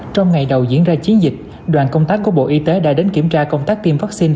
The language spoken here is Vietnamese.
trong ngày đầu diễn ra chiến dịch đoàn công tác của bộ y tế đã đến kiểm tra công tác tiêm vaccine